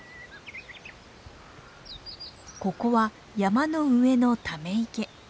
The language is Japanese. ここは山の上のため池。